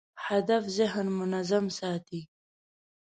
هدف ذهن منظم ساتي.